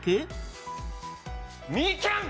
みきゃん！